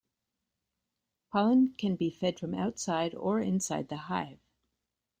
Pollen can be fed from outside or inside the hive.